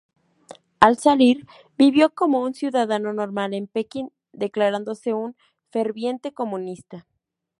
Al salir, vivió como un ciudadano normal en Pekín, declarándose un ferviente comunista.